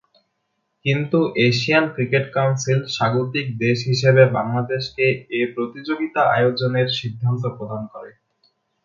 কিন্তু Asian Cricket Council স্বাগতিক দেশ হিসেবে বাংলাদেশকে এ প্রতিযোগিতা আয়োজনের সিদ্ধান্ত প্রদান করে।